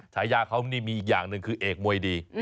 ฉายาเขานี่มีอีกอย่างหนึ่งคือเอกมวยดี